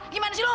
gimana sih lu